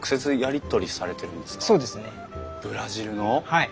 はい。